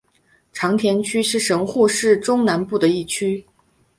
长田区是神户市中南部的一区。